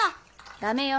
ダメよ